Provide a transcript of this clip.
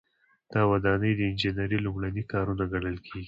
دا ودانۍ د انجنیری لومړني کارونه ګڼل کیږي.